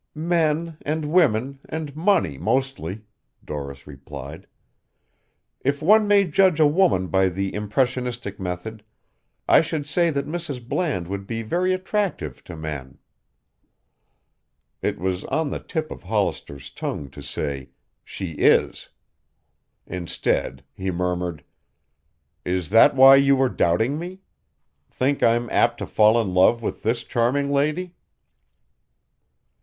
"Men and women and money mostly," Doris replied. "If one may judge a woman by the impressionistic method, I should say that Mrs. Bland would be very attractive to men." It was on the tip of Hollister's tongue to say, "She is." Instead he murmured, "Is that why you were doubting me? Think I'm apt to fall in love with this charming lady?"